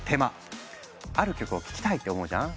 ある曲を聴きたいって思うじゃん？